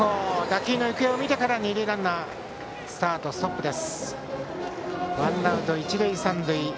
打球の行方を見てから二塁ランナー、三塁へ。